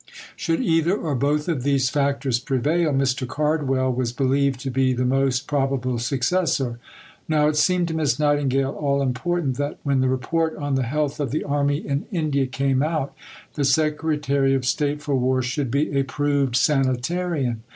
Should either or both of these factors prevail, Mr. Cardwell was believed to be the most probable successor. Now it seemed to Miss Nightingale all important that, when the Report on the health of the army in India came out, the Secretary of State for War should be a proved sanitarian.